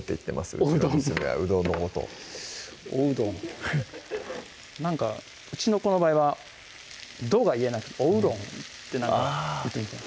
うちの娘はうどんのことを「おうどん」なんかうちの子の場合は「ど」が言えなくて「おうろん」ってなってあぁ